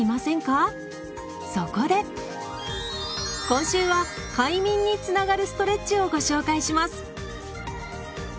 今週は「快眠」につながるストレッチをご紹介します。